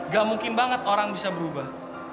gak mungkin banget orang bisa berubah